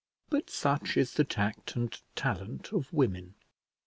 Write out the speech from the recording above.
But such is the tact and talent of women!